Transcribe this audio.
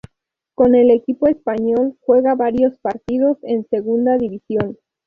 Con el equipo español juega varios partidos en Segunda División.